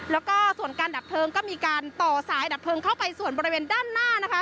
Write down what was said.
แล้วก็ส่วนการดับเพลิงก็มีการต่อสายดับเพลิงเข้าไปส่วนบริเวณด้านหน้านะคะ